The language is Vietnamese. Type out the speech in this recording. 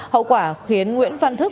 hậu quả khiến nguyễn văn thức